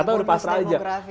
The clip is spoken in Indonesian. atau misalnya demografi